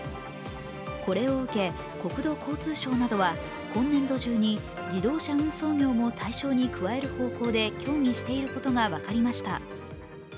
これを受け、国土交通省などは今年度中に、自動車運送業も対象に加える方向で協議していることが分かりました。